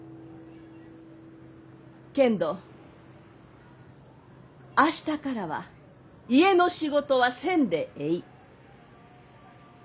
けんど明日からは家の仕事はせんでえい。